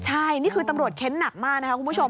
ใช่นี่คือตำรวจเค้นหนักมากนะครับคุณผู้ชม